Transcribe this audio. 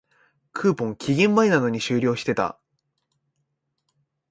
クーポン、期限前なのに終了してた